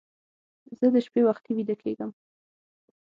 زه د شپې وختي ویده کېږم